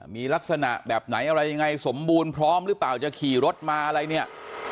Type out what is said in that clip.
มีลักษณะแบบไหนอะไรยังไงสมบูรณ์พร้อมหรือเปล่าจะขี่รถมาอะไรเนี่ย